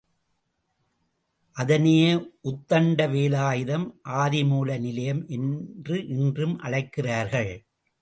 அதனையே உத்தண்ட வேலாயுதம் ஆதிமூல நிலையம் என்று இன்றும் அழைக்கிறார்கள்.